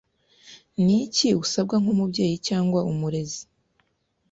Ni iki usabwa nk umubyeyi cyangwa umurezi